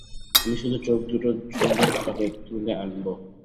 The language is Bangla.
আমি শুধু চোখ দুটো সুন্দরভাবে তুলে আনবো।